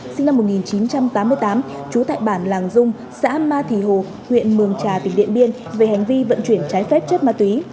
sinh năm một nghìn chín trăm tám mươi tám trú tại bản làng dung xã ma thì hồ huyện mường trà tỉnh điện biên về hành vi vận chuyển trái phép chất ma túy